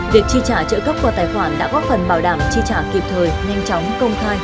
việc tri trả trợ cấp qua tài khoản đã góp phần bảo đảm tri trả kịp thời nhanh chóng công thai